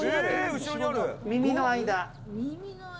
耳の間。